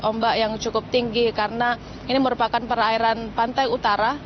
ombak yang cukup tinggi karena ini merupakan perairan pantai utara